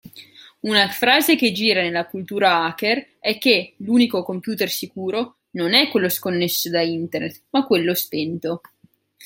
Una frase che gira nella cultura hacker è che, l'unico computer sicuro, non è quello sconnesso da internet ma quello spento.